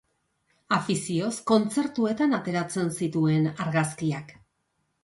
Afizioz, kontzertuetan ateratzen zituen argazkiak.